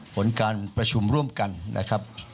ผลการประชุมร่วมกันนะครับ